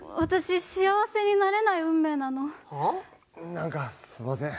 何かすんません。